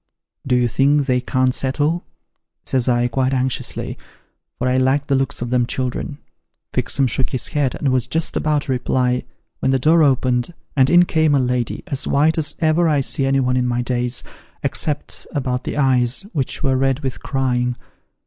' Do you think they can't settle ?' says I, quite anxiously ; for I liked the looks of them children. Fixem shook his head, and was just about to reply, when the door opened, and in came a lady, as white as ever I see anyone in my days, except about the eyes, which were red with crying.